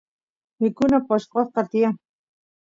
mikuna poshqoshqa tiyan